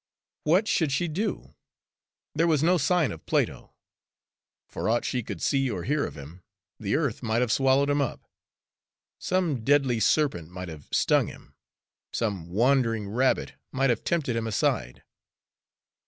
What should she do? There was no sign of Plato for aught she could see or hear of him, the earth might have swallowed him up. Some deadly serpent might have stung him. Some wandering rabbit might have tempted him aside.